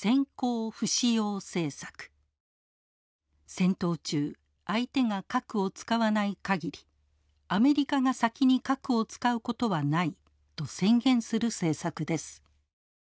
戦闘中相手が核を使わない限りアメリカが先に核を使うことはないと宣言する政策です。